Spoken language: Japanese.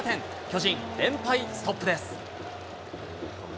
巨人、連敗ストップです。